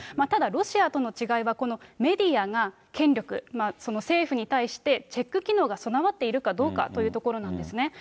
ただロシアとの違いは、このメディアが、権力、政府に対してチェック機能が備わっているかどうかということなんですね。